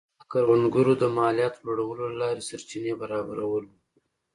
د کروندګرو د مالیاتو لوړولو له لارې سرچینې برابرول و.